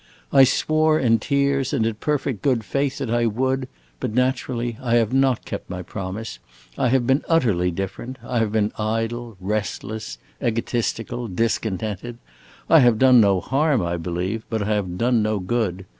I swore in tears and in perfect good faith that I would, but naturally I have not kept my promise. I have been utterly different. I have been idle, restless, egotistical, discontented. I have done no harm, I believe, but I have done no good.